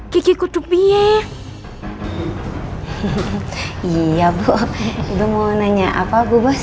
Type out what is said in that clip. gigi kudu piek iya bu mau nanya apa bu bos